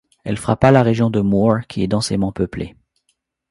Elle frappa la région de Moore qui est densément peuplée.